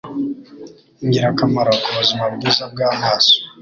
Ingirakamaro ku buzima bwiza bw'amaso